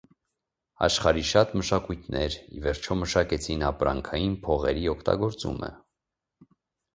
Աշխարհի շատ մշակույթներ, ի վերջո, մշակեցին ապրանքային փողերի օգտագործումը։